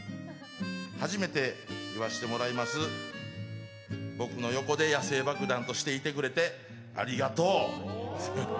初めて言わせてもらいます、僕の横で野性爆弾としていてくれてありがとう。